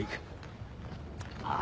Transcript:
ああ。